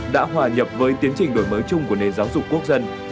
đã hòa nhập với tiến trình đổi mới chung của nền giáo dục quốc dân